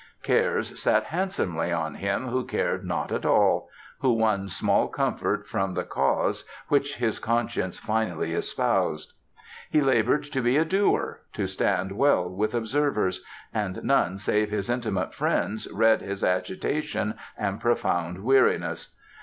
Cares sat handsomely on him who cared not at all, who won small comfort from the cause which his conscience finally espoused. He labored to be a doer, to stand well with observers; and none save his intimate friends read his agitation and profound weariness.